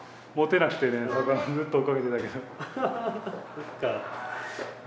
そっかあ